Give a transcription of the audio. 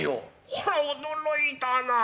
こら驚いたなあ。